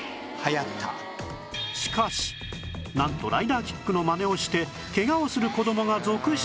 しかしなんとライダーキックのマネをしてケガをする子供が続出